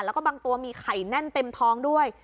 แล้วก็บางตัวมีไข่แน่นเต็มท้องด้วย